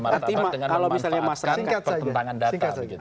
bermata mata dengan memanfaatkan pertentangan data